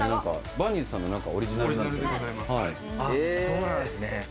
バーニーズさんのオリジナルですか？